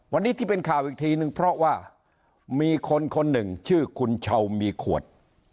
วันนี้ที่เป็นข่าวอีกทีนึงเพราะว่ามีคนคนหนึ่งชื่อคุณเช่ามีขวด